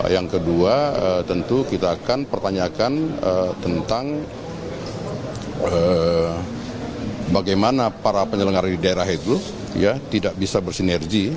yang kedua tentu kita akan pertanyakan tentang bagaimana para penyelenggara di daerah itu tidak bisa bersinergi